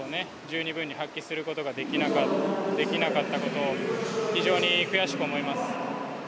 十二分に発揮することができなかったことを非常に悔しく思います。